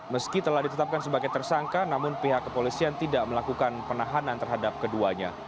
meski telah ditetapkan sebagai tersangka namun pihak kepolisian tidak melakukan penahanan terhadap keduanya